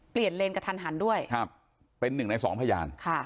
เลนกระทันหันด้วยครับเป็นหนึ่งในสองพยานค่ะ